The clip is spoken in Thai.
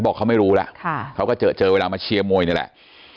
บอกเขาไม่รู้แล้วเขาก็เจอเจอเวลามาเชียร์มวยนี่แหละ